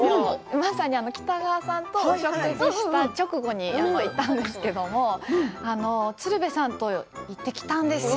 まさに北川さんとお食事した直後に行ったんですけれど鶴瓶さんと行ってきたんですよ。